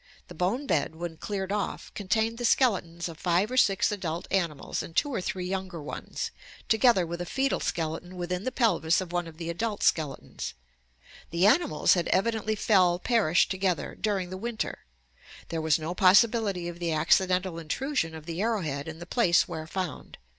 ... The bone bed when cleared off ... contained the skeletons of five or six adult animals, and two or three younger ones, together with a foetal skeleton within the pelvis of one of the adult skeletons. The animals had evidently fcll perished together, during the winter. There was no possibility of the accidental intrusion of the arrow head in the place where found.